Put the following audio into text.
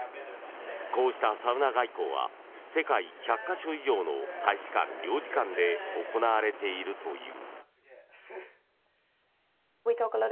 こうしたサウナ外交は世界１００か所以上の大使館・領事館で行われているという。